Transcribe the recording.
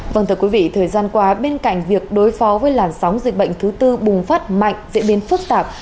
vâng thưa quý vị thời gian qua bên cạnh việc đối phó với làn sóng dịch bệnh thứ tư bùng phát mạnh diễn biến phức tạp